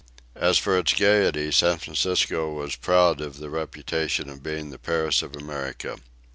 As for its gayety, San Francisco was proud of the reputation of being the Paris of America.